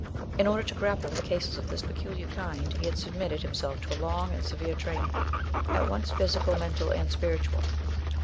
In order to grapple with cases of this peculiar kind, he had submitted himself to a long and severe training, at once physical, mental, and spiritual.